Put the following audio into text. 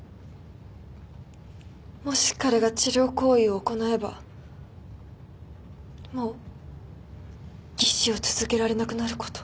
もし彼が治療行為を行えばもう技師を続けられなくなること。